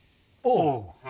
おう。